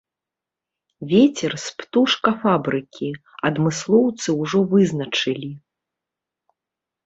Вецер з птушкафабрыкі, адмыслоўцы ўжо вызначылі.